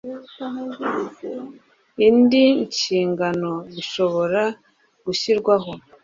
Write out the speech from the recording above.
indi nshingano bishobora gushyirwaho